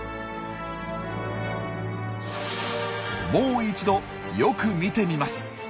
もう一度よく見てみます。